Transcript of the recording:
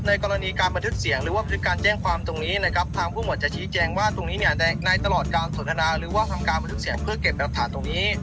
กรณีการบันทึกเสียงหรือว่าบันทึกการแจ้งความตรงนี้นะครับทางผู้หวดจะชี้แจงว่าตรงนี้เนี่ยในตลอดการสนทนาหรือว่าทำการบันทึกเสียงเพื่อเก็บหลักฐานตรงนี้